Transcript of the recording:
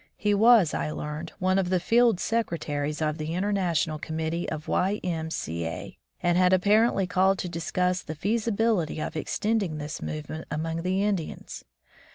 He was, I learned, one of the field secretaries of the International Committee of Y. M. C. A., and had apparently called to discuss the feasibility of extending this movement among the Indians.